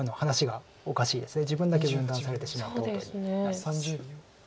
自分だけ分断されてしまったことになります。